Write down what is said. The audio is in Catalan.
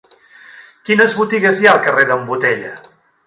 Quines botigues hi ha al carrer d'en Botella?